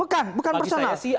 bukan bukan personal